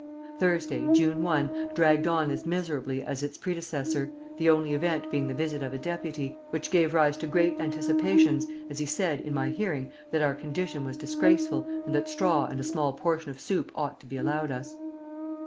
Thursday, June 1, dragged on as miserably as its predecessor, the only event being the visit of a deputy, which gave rise to great anticipations, as he said, in my hearing, that our condition was disgraceful, and that straw and a small portion of soup ought to be allowed us.